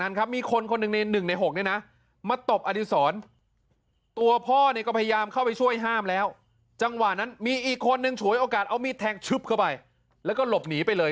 แเอ้งชบเข้าไปแล้วก็หลบหนีไปเลย